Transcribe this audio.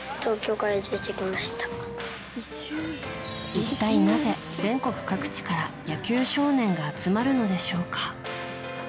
一体なぜ、全国各地から野球少年が集まるのでしょうか。